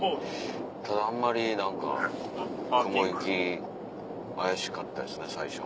ただあんまり何か雲行き怪しかったですね最初。